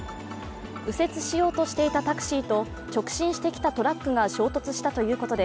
右折しようとしていたタクシーと直進してきたトラックが衝突したということで